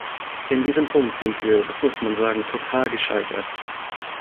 In diesem Punkt sind wir das muss man sagen total gescheitert.